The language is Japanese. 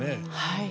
はい。